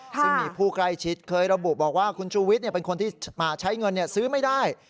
ซึ่งมีผู้ใกล้ชิดเคยระบุบอกว่าคุณชูวิทย์เป็นคนที่ใช้เงินซื้อไม่ได้